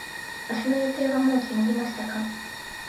明日の予定はもう決まりましたか。